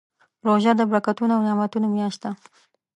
روژه د برکتونو او نعمتونو میاشت ده.